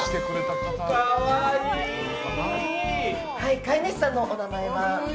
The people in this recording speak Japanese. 飼い主さんのお名前は？